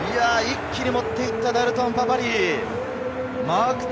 一気に持っていきました、ダルトン・パパリィイ。